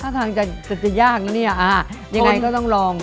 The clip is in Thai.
ถ้าทางจะยากยังไงต้องลอง